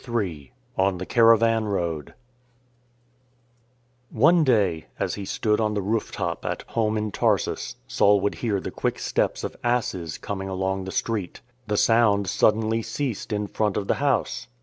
Ill ON THE CARAVAN ROAD ONE day, as he stood on the roof top at home in Tarsus, Saul would hear the quick steps of asses coming along the street. The sound suddenly ceased in front of the house.